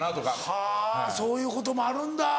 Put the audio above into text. はぁそういうこともあるんだ。